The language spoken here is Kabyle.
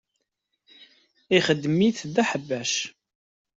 Ixedm-it d aḥbac.